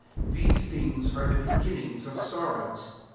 ] 9 Tbeee things mre the beginnifigs o( sorrows.